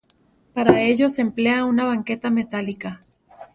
Para ello se emplea una baqueta metálica.